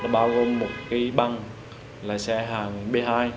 bao gồm một cái băng là xe hàng b hai